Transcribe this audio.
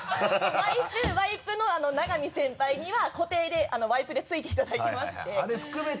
毎週ワイプの永見先輩には固定でワイプでついていただいてまして。